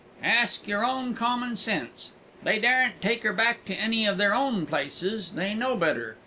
"Ask your own common sense. They daren't take her back to any of their own places; they know better.